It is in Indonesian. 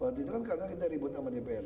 waktu itu kan karena kita ribut sama dprd